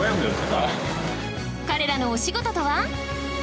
彼らのお仕事とは？